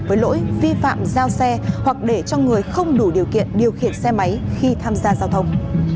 với lỗi vi phạm giao xe hoặc để cho người không đủ điều kiện điều khiển xe máy khi tham gia giao thông